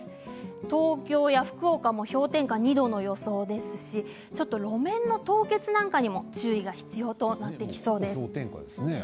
東京、福岡も、氷点下２度の予想ですし、路面の凍結なんかも注意が必要となってきそうです。